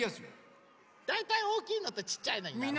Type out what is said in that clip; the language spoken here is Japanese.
だいたいおおきいのとちっちゃいのになるよね？